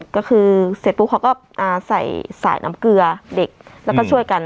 ก็คือเสร็จปุ๊บเขาก็ใส่สายน้ำเกลือเด็กแล้วก็ช่วยกัน